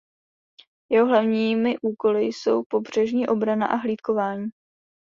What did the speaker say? Jeho hlavními úkoly jsou pobřežní obrana a hlídkování.